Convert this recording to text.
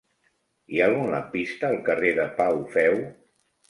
Hi ha algun lampista al carrer de Pau Feu?